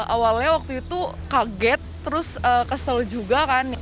awalnya waktu itu kaget terus kesel juga kan